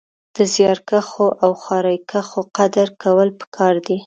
د زيارکښو او خواريکښو قدر کول پکار دی